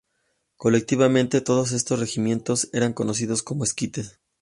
Colectivamente, todos estos regimientos eran conocidos como "equites".